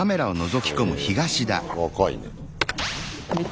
若いね。